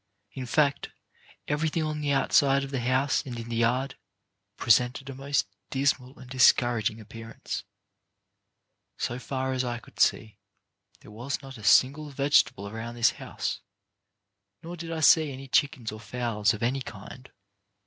In fact everything on the outside of the house and in the yard presented a most 6o CHARACTER BUILDING dismal and discouraging appearance. So far as I could see there was not a single vegetable around this house, nor did I see any chickens or fowls of any kind.